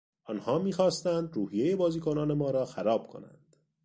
آنها میخواستند روحیهی بازیکنان مارا خراب کنند.